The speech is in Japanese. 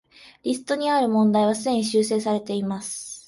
リストにある問題はすでに修正されています